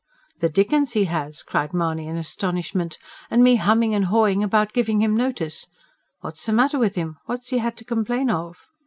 "The dickens he has!" cried Mahony in astonishment. "And me humming and hawing about giving him notice! What's the matter with him? What's he had to complain of?"